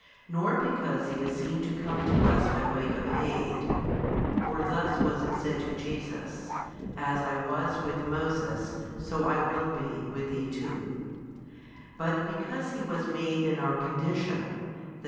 nor because He is seen to come to us by way of aid (for thus was it said to Jesus, As I was with Moses, so I will be, with thee too), but because He was made in our condition, i.